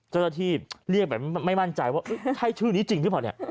เจ้าหน้าที่เรียกแบบไม่มั่นใจว่าใช่ชื่อนี้จริงหรือเปล่าเนี่ย